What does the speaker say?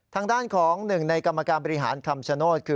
ทางด้านของหนึ่งในกรรมการบริหารคำชโนธคือ